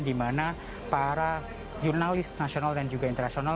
di mana para jurnalis nasional dan juga internasional